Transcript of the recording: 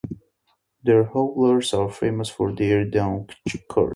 These howlers are famous for their "dawn chorus".